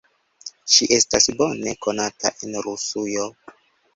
Ŝi estas bone konata en Rusujo.